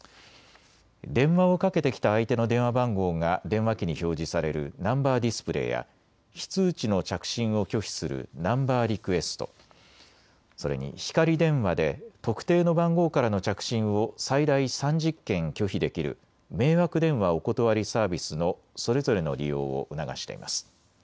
電話をかけてきた相手の電話番号が電話機に表示されるナンバー・ディスプレイや非通知の着信を拒否するナンバー・リクエスト、それに、ひかり電話で特定の番号からの着信を最大３０件拒否できる迷惑電話おことわりサービスのそれぞれの利用を促しています。